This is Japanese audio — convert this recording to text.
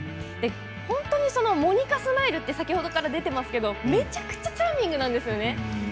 本当にモニカスマイルって先ほどから出ていますけれどもめちゃくちゃチャーミングなんですよね。